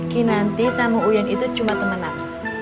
ki nanti sama uyan itu cuma temenan